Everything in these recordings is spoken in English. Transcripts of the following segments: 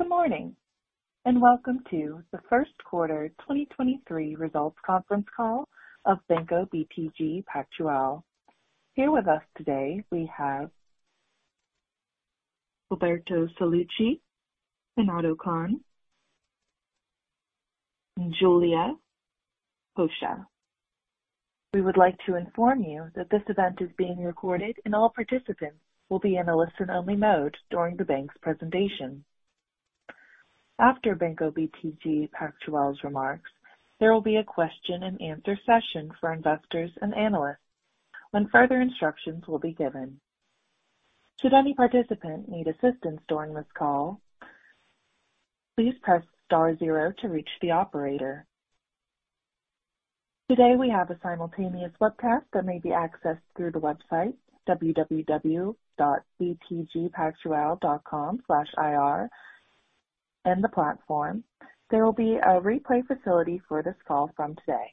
Good morning, and welcome to the 1st quarter 2023 results conference call of Banco BTG Pactual. Here with us today we have Roberto Sallouti, Renato Cohn, Julia Koch. We would like to inform you that this event is being recorded. All participants will be in a listen-only mode during the bank's presentation. After Banco BTG Pactual's remarks, there will be a question and answer session for investors and analysts when further instructions will be given. Should any participant need assistance during this call, please press *0 to reach the operator. Today we have a simultaneous webcast that may be accessed through the website www.btgpactual.com/ir and the platform. There will be a replay facility for this call from today.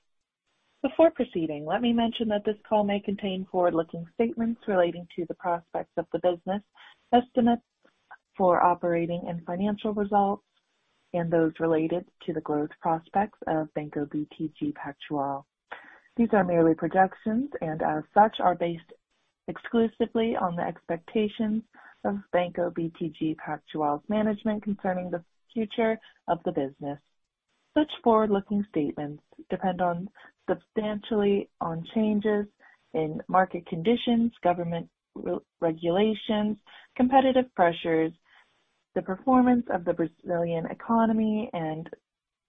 Before proceeding, let me mention that this call may contain forward-looking statements relating to the prospects of the business, estimates for operating and financial results, and those related to the growth prospects of Banco BTG Pactual. These are merely projections, as such, are based exclusively on the expectations of Banco BTG Pactual's management concerning the future of the business. Such forward-looking statements substantially depend on changes in market conditions, government re-regulations, competitive pressures, the performance of the Brazilian economy and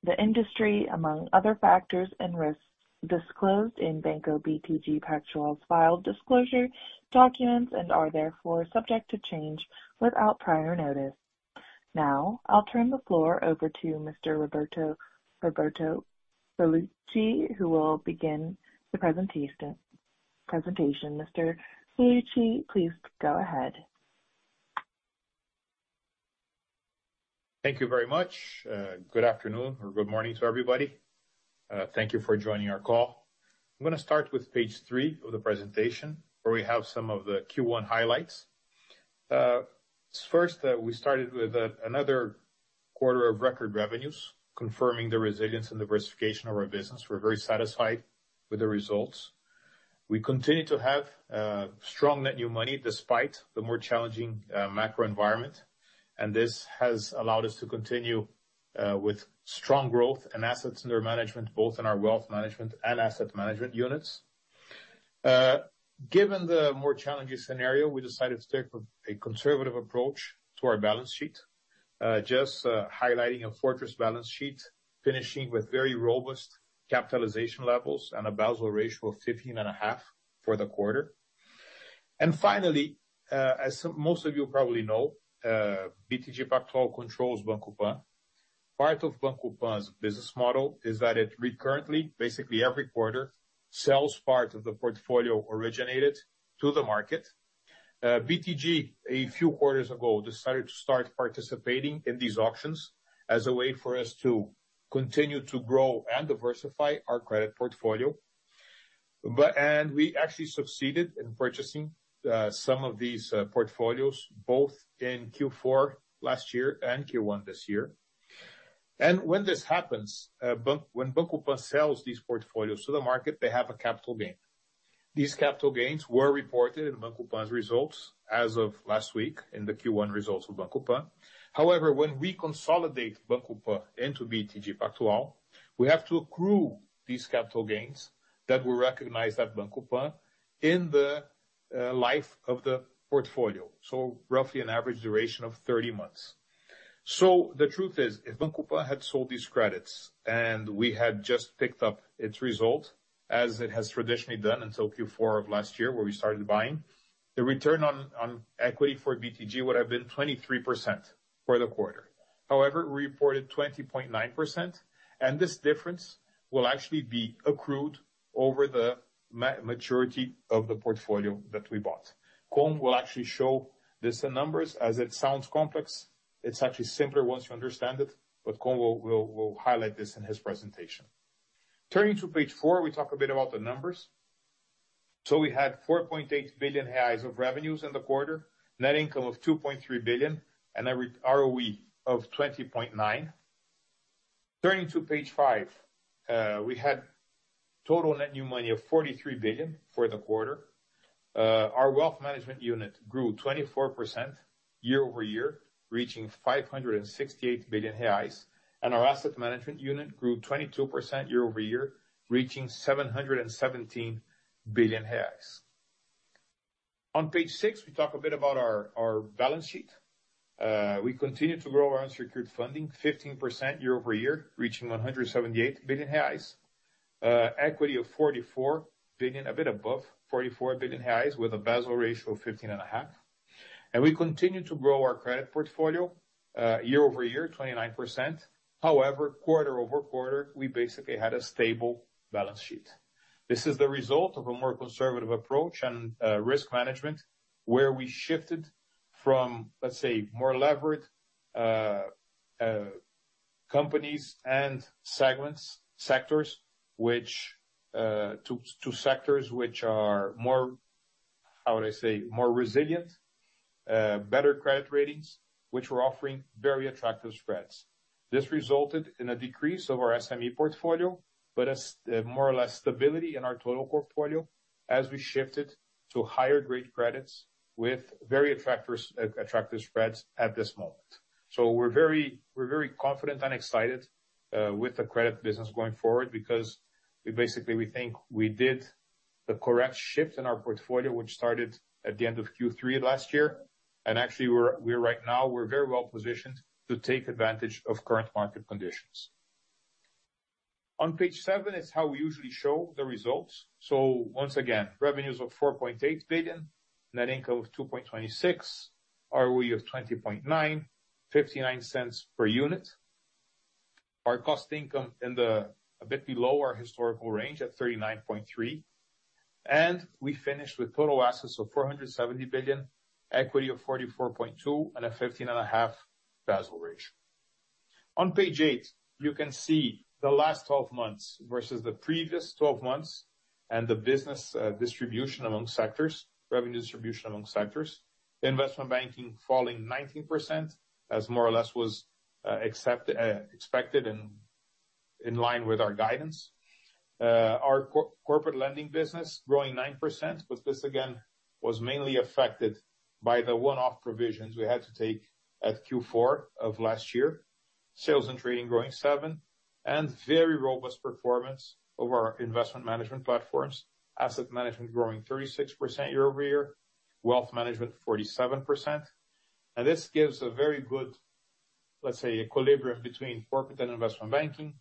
the industry, among other factors and risks disclosed in Banco BTG Pactual's filed disclosure documents and are therefore subject to change without prior notice. I'll turn the floor over to Mr. Roberto Sallouti, who will begin the presentation. Mr. Sallouti, please go ahead. Thank you very much. Good afternoon or good morning to everybody. Thank you for joining our call. I'm gonna start with page 3 of the presentation, where we have some of the Q1 highlights. First, we started with another quarter of record revenues confirming the resilience and diversification of our business. We're very satisfied with the results. We continue to have strong net new money despite the more challenging macro environment. This has allowed us to continue with strong growth and assets under management, both in our wealth management and asset management units. Given the more challenging scenario, we decided to take a conservative approach to our balance sheet, just highlighting a fortress balance sheet, finishing with very robust capitalization levels and a Basel ratio of 15.5 for the quarter. Finally, as most of you probably know, BTG Pactual controls Banco Pan. Part of Banco Pan's business model is that it recurrently, basically every quarter, sells part of the portfolio originated to the market. BTG, a few quarters ago, decided to start participating in these auctions as a way for us to continue to grow and diversify our credit portfolio. We actually succeeded in purchasing some of these portfolios both in Q4 last year and Q1 this year. When this happens, when Banco Pan sells these portfolios to the market, they have a capital gain. These capital gains were reported in Banco Pan's results as of last week in the Q1 results of Banco Pan. When we consolidate Banco Pan into BTG Pactual, we have to accrue these capital gains that were recognized at Banco Pan in the life of the portfolio, so roughly an average duration of 30 months. The truth is, if Banco Pan had sold these credits and we had just picked up its result as it has traditionally done until Q4 of last year, where we started buying, the return on equity for BTG would have been 23% for the quarter. We reported 20.9%, and this difference will actually be accrued over the majority of the portfolio that we bought. Cohn will actually show these numbers. It sounds complex, it's actually simpler once you understand it, but Cohn will highlight this in his presentation. Turning to page 4, we talk a bit about the numbers. We had 4.8 billion reais of revenues in the quarter, net income of 2.3 billion, and an ROE of 20.9%. Turning to page five, we had total net new money of 43 billion for the quarter. Our wealth management unit grew 24% year-over-year, reaching 568 billion reais. Our asset management unit grew 22% year-over-year, reaching 717 billion reais. On page six, we talk a bit about our balance sheet. We continue to grow our unsecured funding 15% year-over-year, reaching 178 billion reais. Equity of a bit above 44 billion reais, with a Basel ratio of 15.5%. We continue to grow our credit portfolio year-over-year, 29%. However, quarter-over-quarter, we basically had a stable balance sheet. This is the result of a more conservative approach and risk management, where we shifted from, let's say, more levered segments, sectors which to sectors which are more, how would I say, more resilient, better credit ratings, which we're offering very attractive spreads. This resulted in a decrease of our SME portfolio, but more or less stability in our total portfolio as we shifted to higher grade credits with very attractive spreads at this moment. We're very confident and excited with the credit business going forward because we basically, we think we did the correct shift in our portfolio, which started at the end of Q3 last year. Actually we're right now, we're very well positioned to take advantage of current market conditions. On page seven is how we usually show the results. Once again, revenues of 4.8 billion, net income of 2.26, ROE of 20.9%, 0.59 per unit. Our cost-to-income in the... a bit below our historical range at 39.3%. We finished with total assets of 470 billion, equity of 44.2 billion, and a 15.5% Basel ratio. On page eight, you can see the last 12 months versus the previous 12 months, and the business distribution among sectors, revenue distribution among sectors. Investment banking falling 19%, as more or less was expected and in line with our guidance. Our corporate lending business growing 9%, but this again, was mainly affected by the one-off provisions we had to take at Q4 of last year. Sales and trading growing 7%. Very robust performance of our investment management platforms. Asset management growing 36% year-over-year, wealth management 47%. This gives a very good, let's say, equilibrium between corporate and investment banking,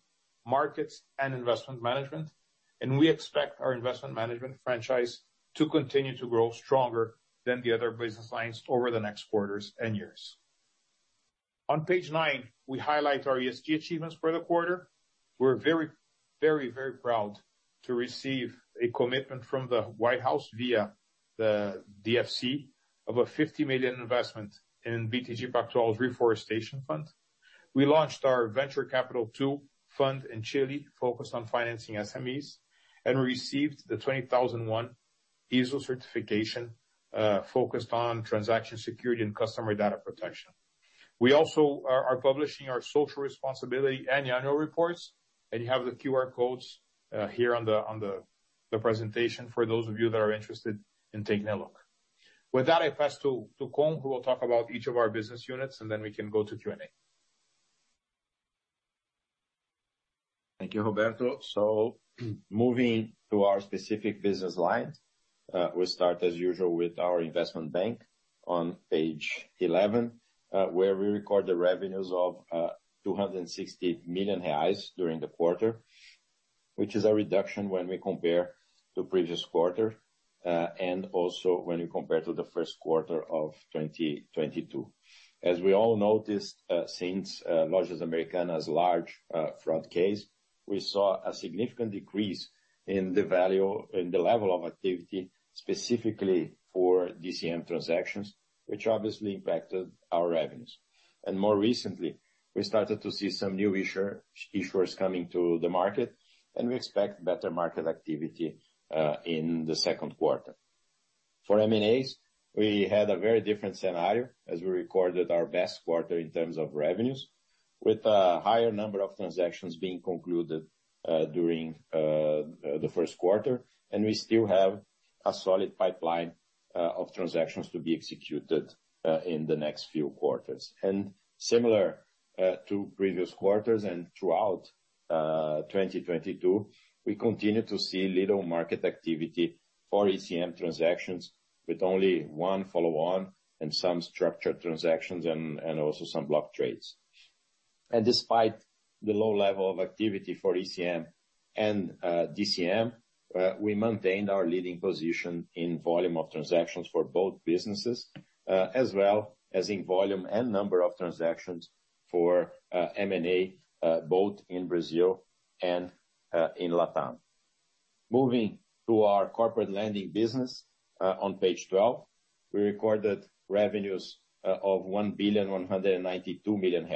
markets and investment management. We expect our investment management franchise to continue to grow stronger than the other business lines over the next quarters and years. On page 9, we highlight our ESG achievements for the quarter. We're very proud to receive a commitment from the White House via the DFC of a $50 million investment in BTG Pactual's Reforestation Fund. We launched our Venture Capital II fund in Chile focused on financing SMEs, received the 27001 ISO certification focused on transaction security and customer data protection. We also are publishing our social responsibility and annual reports, you have the QR codes here on the presentation for those of you that are interested in taking a look. With that, I pass to Cohn, who will talk about each of our business units, then we can go to Q&A. Thank you, Roberto. Moving to our specific business lines, we start as usual with our investment bank on page 11, where we record the revenues of 260 million reais during the quarter, which is a reduction when we compare to previous quarter, and also when you compare to the first quarter of 2022. As we all noticed, since Lojas Americanas' large fraud case, we saw a significant decrease in the level of activity, specifically for DCM transactions, which obviously impacted our revenues. More recently, we started to see some new issuers coming to the market, and we expect better market activity in the second quarter. For M&A, we had a very different scenario as we recorded our best quarter in terms of revenues, with a higher number of transactions being concluded during the first quarter. We still have a solid pipeline of transactions to be executed in the next few quarters. Similar to previous quarters and throughout 2022, we continue to see little market activity for ECM transactions with only one follow-on and some structured transactions and also some block trades. Despite the low level of activity for ECM and DCM, we maintained our leading position in volume of transactions for both businesses, as well as in volume and number of transactions for M&A, both in Brazil and in Latam. Moving to our corporate lending business, on page 12, we recorded revenues of 1.192 billion,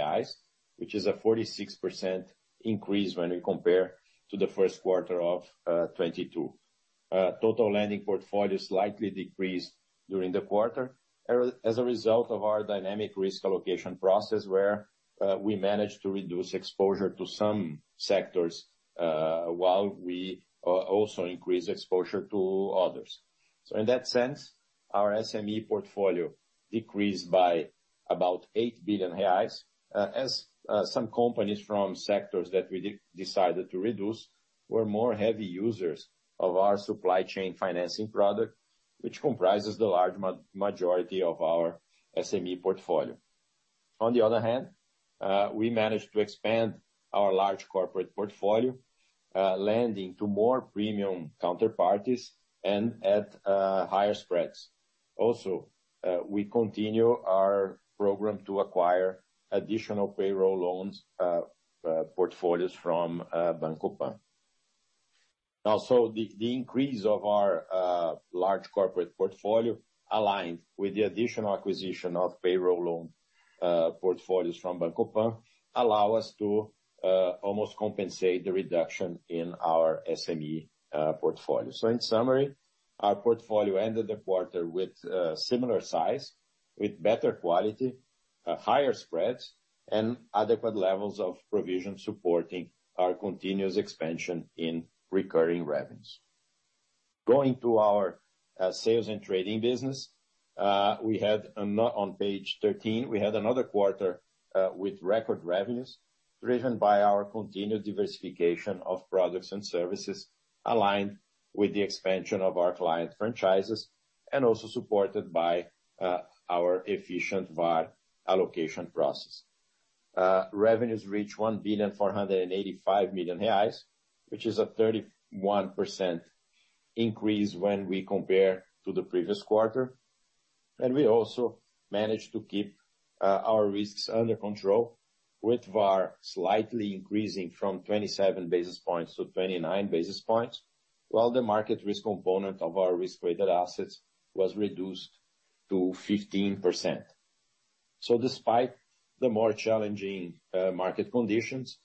which is a 46% increase when we compare to the first quarter of 2022. Total lending portfolio slightly decreased during the quarter as a result of our dynamic risk allocation process where we managed to reduce exposure to some sectors while we also increased exposure to others. In that sense, our SME portfolio decreased by about 8 billion reais as some companies from sectors that we decided to reduce were more heavy users of our supply chain financing product, which comprises the large majority of our SME portfolio. On the other hand, we managed to expand our large corporate portfolio, lending to more premium counterparties and at higher spreads. Also, we continue our program to acquire additional payroll loans, portfolios from Banco Pan. Also, the increase of our large corporate portfolio, aligned with the additional acquisition of payroll loan, portfolios from Banco Pan, allow us to almost compensate the reduction in our SME portfolio. In summary, our portfolio ended the quarter with similar size with better quality, higher spreads, and adequate levels of provision supporting our continuous expansion in recurring revenues. Going to our sales and trading business. We had, not on page 13, we had another quarter with record revenues driven by our continued diversification of products and services, aligned with the expansion of our client franchises, and also supported by our efficient VaR allocation process. Revenues reach 1.485 billion, which is a 31% increase when we compare to the previous quarter. We also managed to keep our risks under control, with VaR slightly increasing from 27 basis points to 29 basis points, while the market risk component of our risk-weighted assets was reduced to 15%. Despite the more challenging market conditions,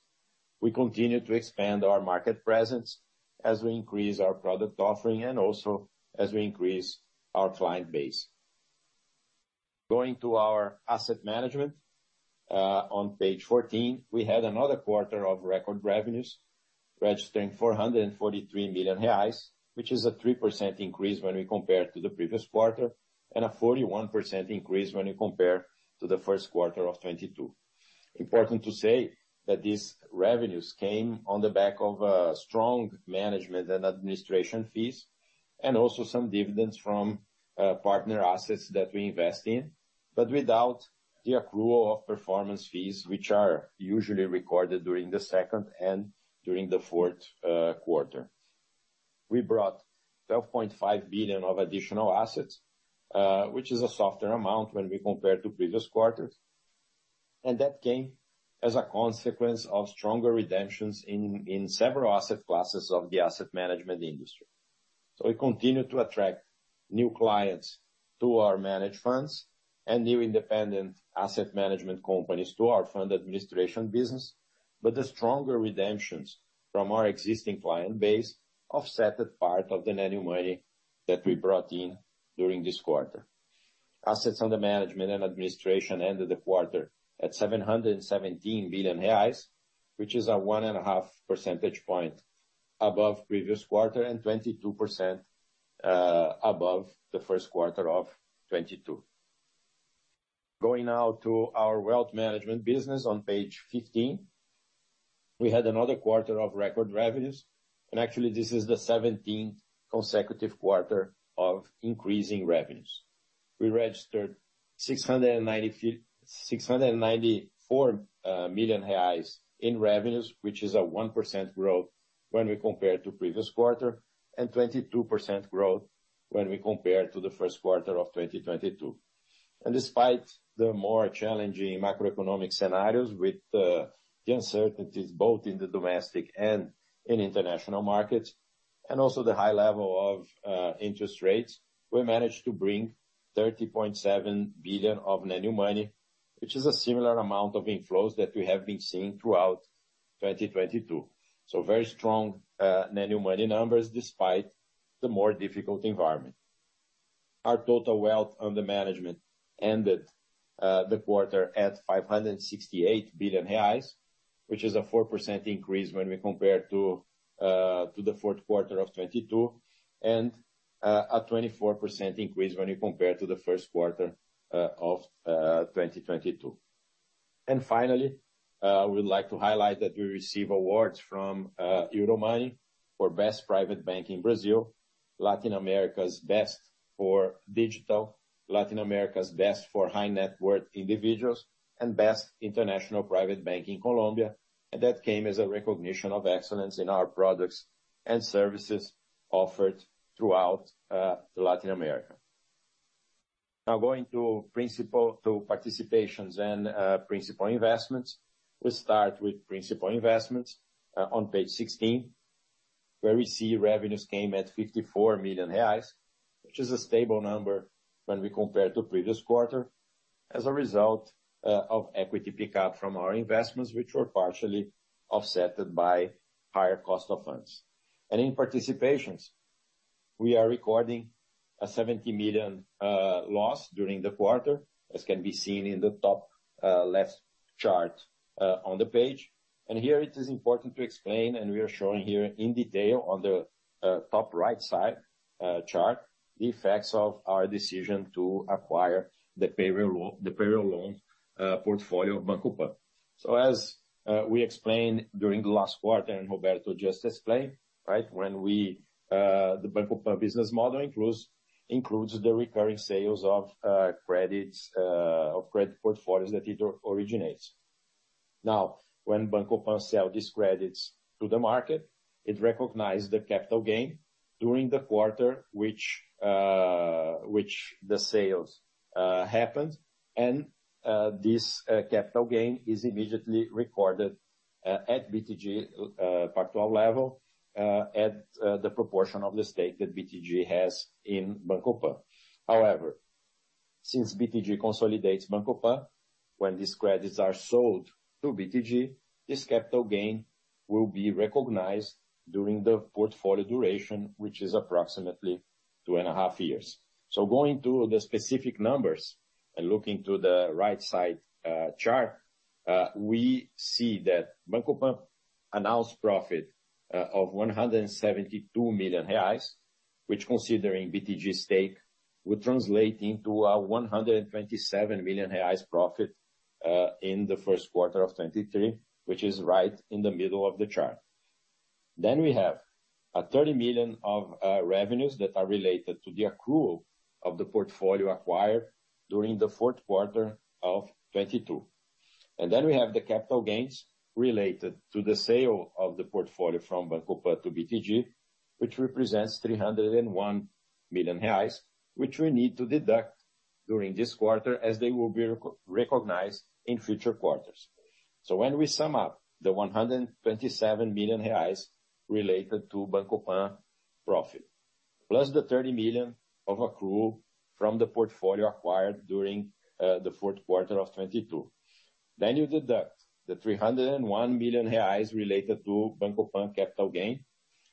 we continue to expand our market presence as we increase our product offering, and also as we increase our client base. Going to our asset management. On page 14, we had another quarter of record revenues registering 443 million reais, which is a 3% increase when we compare to the previous quarter, and a 41% increase when you compare to the first quarter of 2022. Important to say that these revenues came on the back of strong management and administration fees, and also some dividends from partner assets that we invest in. Without the accrual of performance fees, which are usually recorded during the second and during the fourth quarter. We brought 12.5 billion of additional assets, which is a softer amount when we compare to previous quarters. That came as a consequence of stronger redemptions in several asset classes of the asset management industry. We continue to attract new clients to our managed funds and new independent asset management companies to our fund administration business. The stronger redemptions from our existing client base offset the part of the new money that we brought in during this quarter. Assets under management and administration ended the quarter at 717 billion reais, which is a 1.5 percentage points above previous quarter, and 22% above the first quarter of 2022. Going now to our wealth management business on page 15. We had another quarter of record revenues, and actually this is the 17th consecutive quarter of increasing revenues. We registered 694 million reais in revenues, which is a 1% growth when we compare to previous quarter, and 22% growth when we compare to the first quarter of 2022. Despite the more challenging macroeconomic scenarios with the uncertainties both in the domestic and in international markets, and also the high level of interest rates, we managed to bring 30.7 billion of new money, which is a similar amount of inflows that we have been seeing throughout 2022. Very strong new money numbers despite the more difficult environment. Our total wealth under management ended the quarter at 568 billion reais, which is a 4% increase when we compare to the fourth quarter of 2022, and a 24% increase when you compare to the first quarter of 2022. Finally, we'd like to highlight that we receive awards from Euromoney for Best Private Bank in Brazil, Latin America's Best for Digital, Latin America's Best for High Net Worth Individuals, and Best International Private Bank in Colombia. That came as a recognition of excellence in our products and services offered throughout Latin America. Now going to participations and principal investments. We start with principal investments on page 16, where we see revenues came at 54 million reais, which is a stable number when we compare to previous quarter as a result of equity pickup from our investments, which were partially offsetted by higher cost of funds. In participations, we are recording a 70 million loss during the quarter, as can be seen in the top left chart on the page. Here it is important to explain, and we are showing here in detail on the top right side chart, the effects of our decision to acquire the payroll loan portfolio of Banco Pan. As we explained during the last quarter, and Roberto just explained, right, when we the Banco Pan business model includes the recurring sales of credits of credit portfolios that it originates. Now, when Banco Pan sell these credits to the market, it recognize the capital gain. During the quarter which the sales happened and this capital gain is immediately recorded at BTG Part 12 level at the proportion of the stake that BTG has in Banco Pan. Since BTG consolidates Banco Pan, when these credits are sold to BTG, this capital gain will be recognized during the portfolio duration, which is approximately two and a half years. Going to the specific numbers and looking to the right side chart, we see that Banco Pan announced profit of 172 million reais, which considering BTG stake, would translate into 127 million reais profit in the first quarter of 2023, which is right in the middle of the chart. We have 30 million of revenues that are related to the accrual of the portfolio acquired during the fourth quarter of 2022. We have the capital gains related to the sale of the portfolio from Banco Pan to BTG, which represents 301 million reais, which we need to deduct during this quarter as they will be recognized in future quarters. When we sum up the 127 million reais related to Banco Pan profit, plus the 30 million of accrual from the portfolio acquired during the fourth quarter of 2022, you deduct the 301 million reais related to Banco Pan capital gain,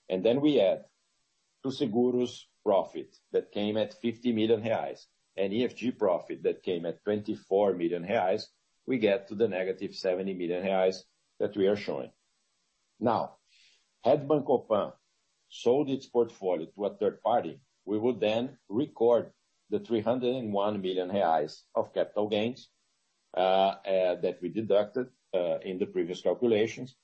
and then we add to Seguros' profit that came at 50 million reais and EFG profit that came at 24 million reais, we get to the negative 70 million reais that we are showing. Had Banco Pan sold its portfolio to a third party, we would then record the 301 million reais of capital gains that we deducted in the previous calculations.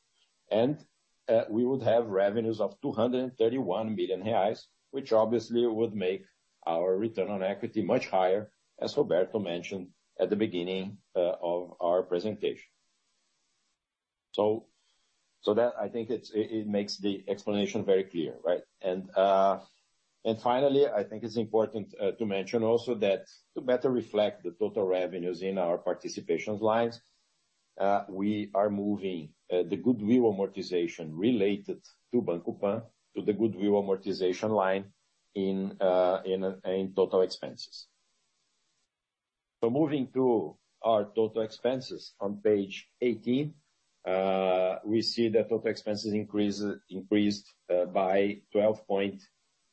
We would have revenues of 231 million reais, which obviously would make our ROE much higher, as Roberto Sallouti mentioned at the beginning of our presentation. That, I think it makes the explanation very clear, right? Finally, I think it's important to mention also that to better reflect the total revenues in our participation lines, we are moving the goodwill amortization related to Banco Pan to the goodwill amortization line in total expenses. Moving to our total expenses on page 18. We see that total expenses increased by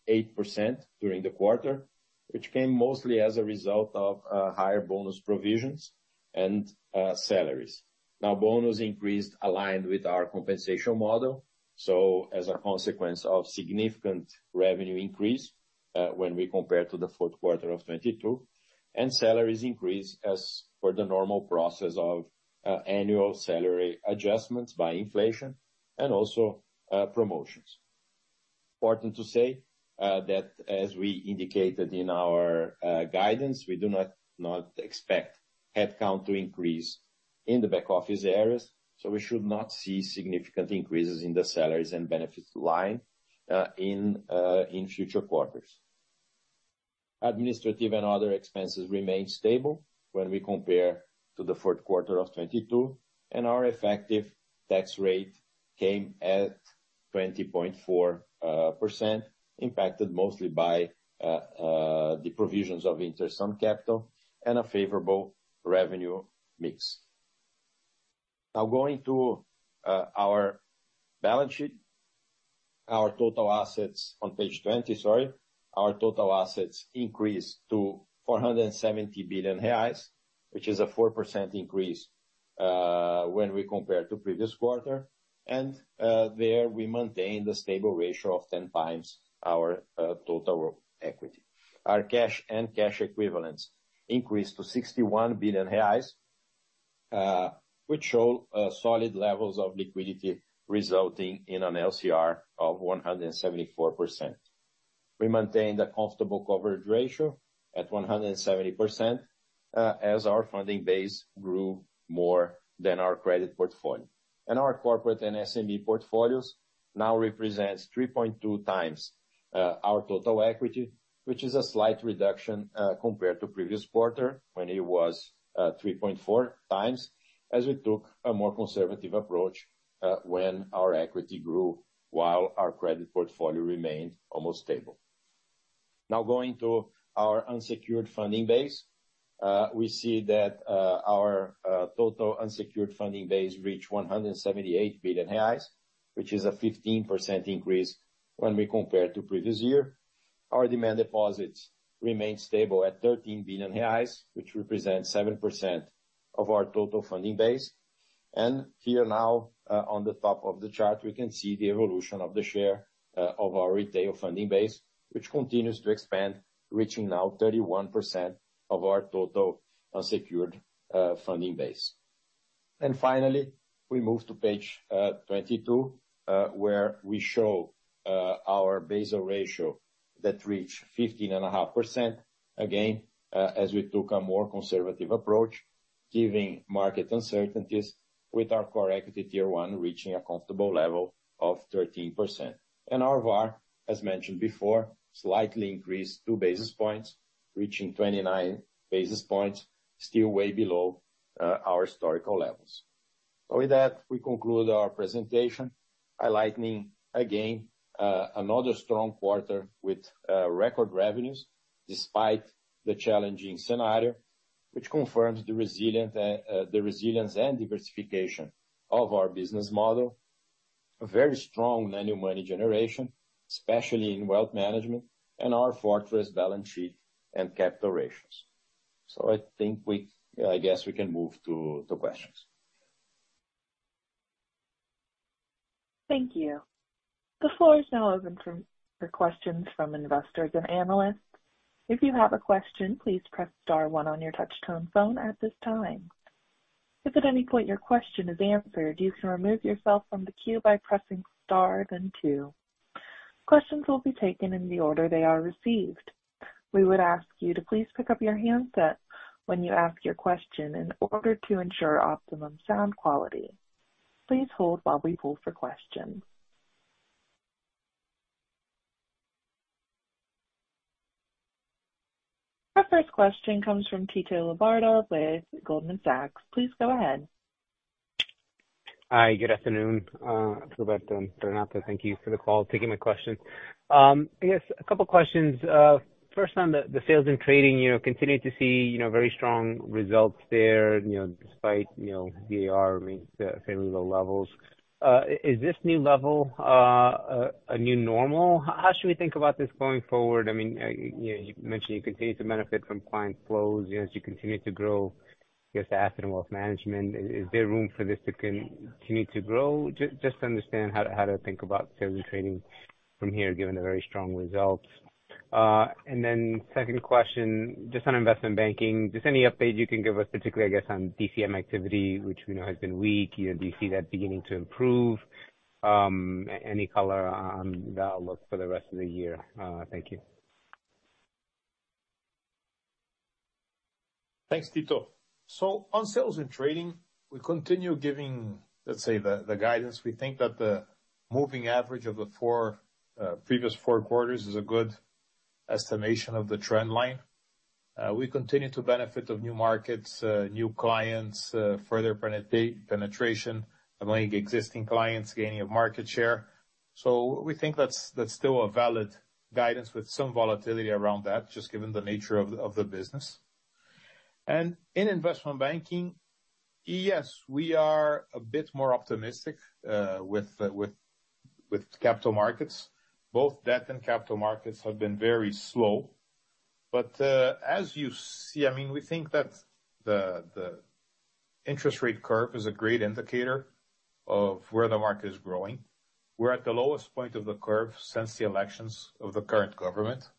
12.8% during the quarter, which came mostly as a result of higher bonus provisions and salaries. Bonus increased aligned with our compensation model. As a consequence of significant revenue increase, when we compare to the fourth quarter of 2022, and salaries increased as per the normal process of annual salary adjustments by inflation and also promotions. Important to say that as we indicated in our guidance, we do not expect headcount to increase in the back office areas, so we should not see significant increases in the salaries and benefits line in future quarters. Administrative and other expenses remain stable when we compare to the fourth quarter of 2022, and our effective tax rate came at 20.4%, impacted mostly by the provisions of interest on capital and a favorable revenue mix. Now going to our balance sheet. Our total assets-- on page 20, sorry. Our total assets increased to 470 billion reais, which is a 4% increase when we compare to previous quarter. There we maintain the stable ratio of 10x our total equity. Our cash and cash equivalents increased to 61 billion reais, which show solid levels of liquidity resulting in an LCR of 174%. We maintain the comfortable coverage ratio at 170% as our funding base grew more than our credit portfolio. Our corporate and SME portfolios now represents 3.2 times our total equity, which is a slight reduction compared to previous quarter when it was 3.4 times, as we took a more conservative approach when our equity grew while our credit portfolio remained almost stable. Now going to our unsecured funding base, we see that our total unsecured funding base reached 178 billion reais, which is a 15% increase when we compare to previous year. Our demand deposits remain stable at 13 billion reais, which represents 7% of our total funding base. Here now, on the top of the chart, we can see the evolution of the share of our retail funding base, which continues to expand, reaching now 31% of our total unsecured funding base. Finally, we move to page 22, where we show our Basel ratio. That reach 15.5%, again, as we took a more conservative approach, giving market uncertainties with our Common Equity Tier 1 reaching a comfortable level of 13%. RVAR, as mentioned before, slightly increased 2 basis points, reaching 29 basis points, still way below our historical levels. With that, we conclude our presentation, highlighting again, another strong quarter with record revenues despite the challenging scenario, which confirms the resilience and diversification of our business model, a very strong annual money generation, especially in wealth management and our fortress balance sheet and capital ratios. I guess we can move to questions. Thank you. The floor is now open for questions from investors and analysts. If you have a question, please press star one on your touchtone phone at this time. If at any point your question is answered, you can remove yourself from the queue by pressing star then two. Questions will be taken in the order they are received. We would ask you to please pick up your handset when you ask your question in order to ensure optimum sound quality. Please hold while we pull for questions. Our first question comes from Tito Labarta with Goldman Sachs. Please go ahead. Hi, good afternoon, Roberto and Renato. Thank you for the call. Taking my question. I guess a couple questions. First on the sales and trading, you know, continue to see, you know, very strong results there, you know, despite, you know, VAR remaining at fairly low levels. Is this new level a new normal? How should we think about this going forward? I mean, you mentioned you continue to benefit from client flows, you know, as you continue to grow, I guess, the asset and wealth management. Is there room for this to continue to grow? Just to understand how to think about sales and trading from here, given the very strong results. Second question, just on investment banking. Just any update you can give us, particularly, I guess, on DCM activity, which we know has been weak. You know, do you see that beginning to improve? Any color on the outlook for the rest of the year? Thank you. Thanks, Tito. On sales and trading, we continue giving the guidance. We think that the moving average of the four previous quarters is a good estimation of the trend line. We continue to benefit of new markets, new clients, further penetration among existing clients, gaining of market share. We think that's still a valid guidance with some volatility around that, just given the nature of the business. In investment banking, yes, we are a bit more optimistic with capital markets. Both debt and capital markets have been very slow. As you see, I mean, we think that the interest rate curve is a great indicator of where the market is growing. We're at the lowest point of the curve since the elections of the current government.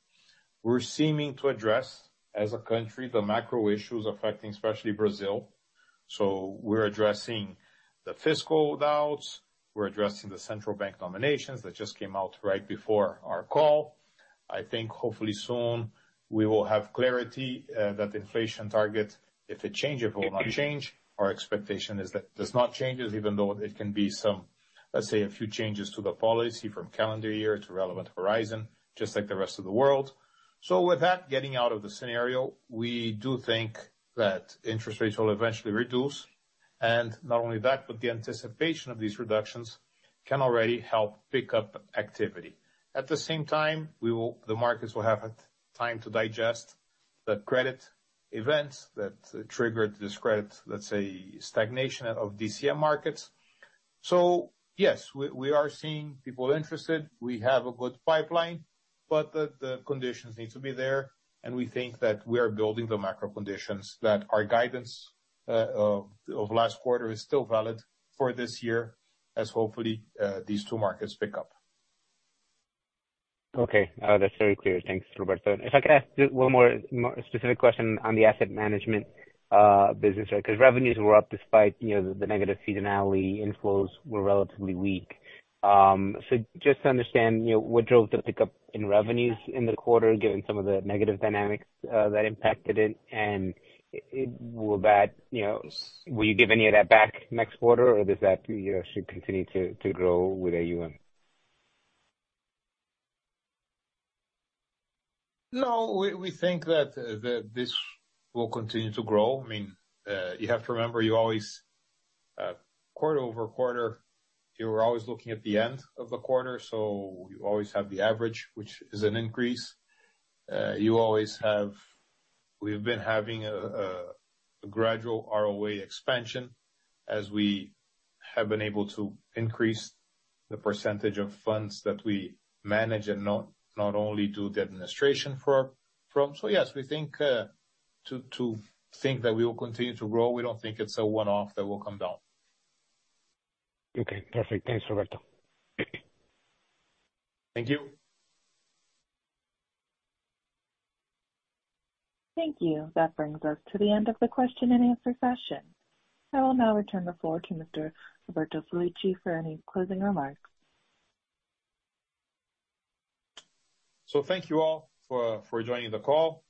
We're seeming to address, as a country, the macro issues affecting especially Brazil. We're addressing the fiscal doubts. We're addressing the central bank nominations that just came out right before our call. I think hopefully soon we will have clarity that inflation target, if it changes or will not change. Our expectation is that does not change, even though it can be some, let's say, a few changes to the policy from calendar year to relevant horizon, just like the rest of the world. With that, getting out of the scenario, we do think that interest rates will eventually reduce. Not only that, but the anticipation of these reductions can already help pick up activity. At the same time, the markets will have time to digest the credit events that triggered this credit, let's say, stagnation of DCM markets. Yes, we are seeing people interested. We have a good pipeline, but the conditions need to be there. We think that we are building the macro conditions that our guidance of last quarter is still valid for this year as hopefully, these two markets pick up. Okay. That's very clear. Thanks, Roberto. If I could ask just one more specific question on the asset management business, right? 'Cause revenues were up despite, you know, the negative seasonality. Inflows were relatively weak. Just to understand, you know, what drove the pickup in revenues in the quarter, given some of the negative dynamics that impacted it? Will that, you know, will you give any of that back next quarter, or does that, you know, should continue to grow with AUM? No, we think that this will continue to grow. I mean, you have to remember, you always, quarter-over-quarter, you are always looking at the end of the quarter, so you always have the average, which is an increase. You always have... We've been having a gradual ROA expansion as we have been able to increase the percentage of funds that we manage and not only do the administration for, from. Yes, we think, to think that we will continue to grow, we don't think it's a one-off that will come down. Okay, perfect. Thanks, Roberto. Thank you. Thank you. That brings us to the end of the question and answer session. I will now return the floor to Mr. Roberto Sallouti for any closing remarks. Thank you all for joining the call.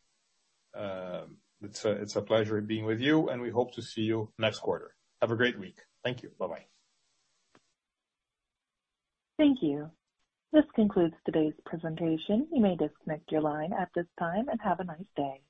It's a pleasure being with you, and we hope to see you next quarter. Have a great week. Thank you. Bye-bye. Thank you. This concludes today's presentation. You may disconnect your line at this time, and have a nice day.